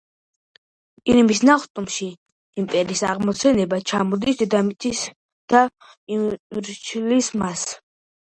ირმის ნახტომში იმპერიის აღმოცენება, ჩამოდის დედამიწაზე და იმორჩილებს მას.